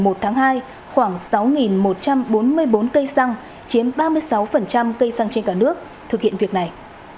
một tháng hai khoảng sáu một trăm bốn mươi bốn cây xăng chiếm ba mươi sáu cây xăng trên cả nước thực hiện việc này